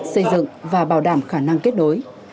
xây dựng và bảo đảm khả năng kết đối